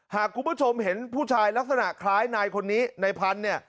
หากคุณผู้ชมเห็นผู้ชายลักษณะคล้ายนายคนนี้นายพันธุ์เนี่ย